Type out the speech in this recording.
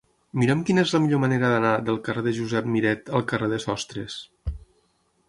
Mira'm quina és la millor manera d'anar del carrer de Josep Miret al carrer de Sostres.